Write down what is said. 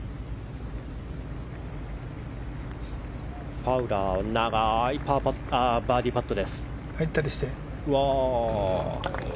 ファウラー長いバーディーパット。